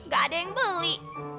gak ada yang beli